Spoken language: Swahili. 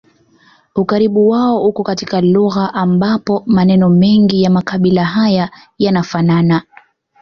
Ukaribu wao uko katika lugha ambapo maneno mengi ya makabila haya yanafanana